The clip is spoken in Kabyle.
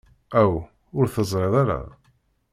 Aw, ur teẓrid ara?